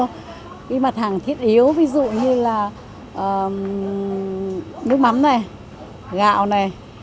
cái mặt hàng thiết yếu ví dụ như là nước mắm này gạo này